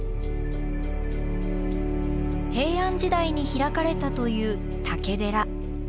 平安時代に開かれたという竹寺。